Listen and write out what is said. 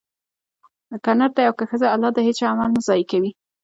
که نر دی او که ښځه؛ الله د هيچا عمل نه ضائع کوي